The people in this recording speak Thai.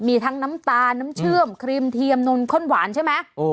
มีทั้งน้ำตาลน้ำเชื่อมครีมเทียมนนข้นหวานใช่ไหม